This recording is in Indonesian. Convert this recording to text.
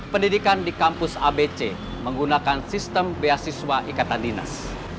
pendidikan di kampus abc menggunakan sistem beasiswa ikatan dinas